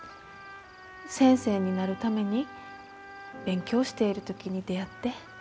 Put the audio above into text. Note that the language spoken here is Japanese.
先生になるために勉強している時に出会って。